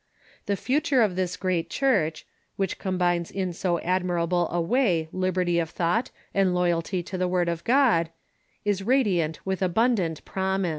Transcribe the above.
The future of this great Church, which com bines in so admirable a way liberty of thought and loyalty to the Word of God, is radiant with abundant promise.